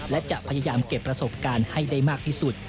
และจะพยายามเก็บประสบการณ์ให้ได้มากที่สุด